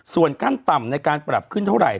ส่วนขั้นต่ำในการปรับขึ้นเท่าไหร่